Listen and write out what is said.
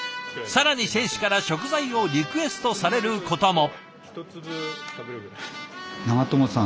更に選手から食材をリクエストされることも。